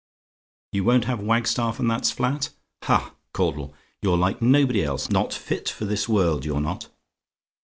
"YOU WON'T HAVE WAGSTAFF AND THAT'S FLAT? "Ha, Caudle, you're like nobody else not fit for this world, you're not.